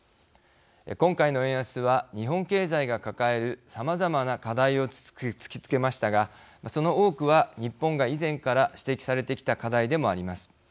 今回の円安は日本経済が抱えるさまざまな課題を突きつけましたがその多くは日本が以前から指摘されてきた課題でもあります。